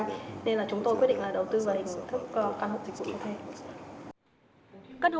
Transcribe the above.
nên là chúng tôi quyết định là đầu tư vào hình thức căn hộ dịch vụ cho thuê